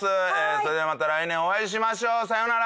それではまた来年お会いしましょう。さようなら！